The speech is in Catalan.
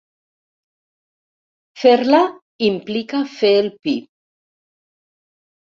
Fer-la implica fer el pi.